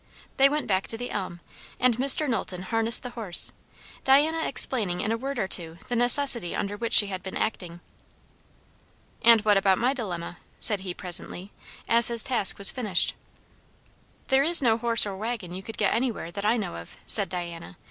They went back to the elm, and Mr. Knowlton harnessed the horse, Diana explaining in a word or two the necessity under which she had been acting. "And what about my dilemma?" said he presently, as his task was finished. "There is no horse or waggon you could get anywhere, that I know of," said Diana.